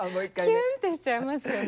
キュンってしちゃいますよね。